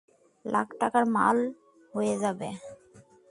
লাখ টাকার মাল হয়ে যাবে।